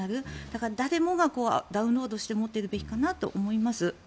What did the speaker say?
だから誰もがダウンロードして持っているべきかなと思います。